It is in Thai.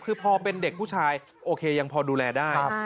คือพอเป็นเด็กผู้ชายโอเคยังพอดูแลได้